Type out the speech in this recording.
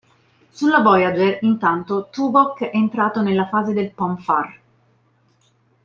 Sulla "Voyager", intanto, Tuvok è entrato nella fase del "pon far".